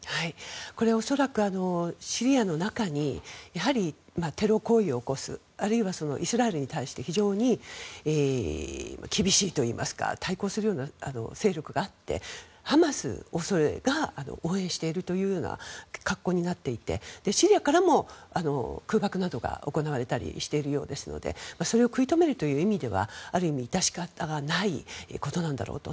これは恐らくシリアの中にやはりテロ行為を起こすあるいはイスラエルに対して非常に厳しいといいますか対抗するような勢力があってハマスをそれが応援しているというような格好になっていてシリアからも空爆などが行われたりしているようですのでそれを食い止めるという意味ではある意味致し方ないことなんだろうと。